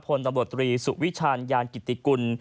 พลตำรวจตรีสุวิชาญยานกิติกุล